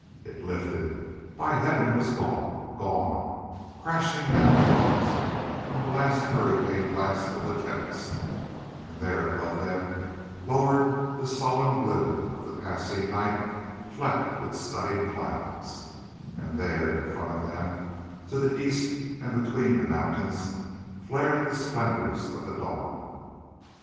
It lifted—by heaven it was gone!—gone, crashing down the rocks on the last hurricane blast of the tempest, and there above them lowered the sullen blue of the passing night flecked with scudding clouds, and there in front of them, to the east and between the mountains, flared the splendours of the dawn.